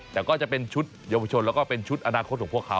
แต่ก็จะเป็นชุดเยาวชนแล้วก็เป็นชุดอนาคตของพวกเขา